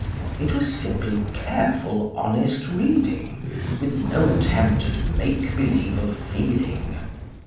It was simply careful, honest reading, with no attempt at make believe of feeling.